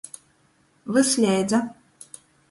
Vysleidza.